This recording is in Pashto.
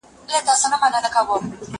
زه اوږده وخت موسيقي اورم وم!.